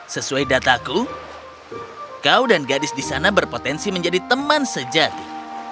sesuai dataku kau dan gadis di sana berpotensi menjadi teman sejati